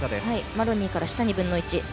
マロニーから下２分の１。